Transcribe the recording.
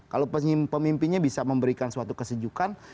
kalau pemimpinnya bisa memberikan suatu kesejukan